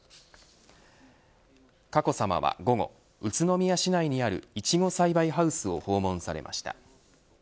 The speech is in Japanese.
佳子さまは午後宇都宮市内にあるイチゴ栽培ハウスを訪問されました。